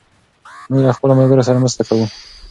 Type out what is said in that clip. موږ له خپلو ملګرو سره مرسته کوو.